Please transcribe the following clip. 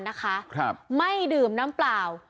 นะครับไม่ดื่มน้ำเปล่า